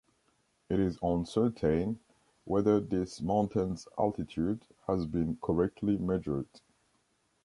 It is uncertain whether this mountain’s altitude has been correctly measured.